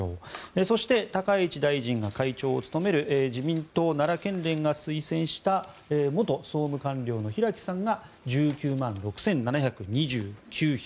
そして高市大臣が会長を務める自民党奈良県連が推薦した元総務官僚の平木さんが１９万６７２９票。